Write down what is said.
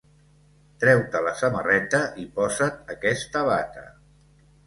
Treu-te la samarreta i posa't aquesta bata.